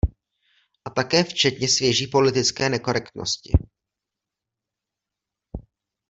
A také včetně svěží politické nekorektnosti.